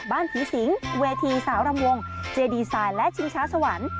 ผีสิงเวทีสาวรำวงเจดีไซน์และชิงช้าสวรรค์